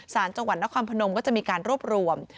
สารจังหวัดนครพนมก็จะมีการรวบรวม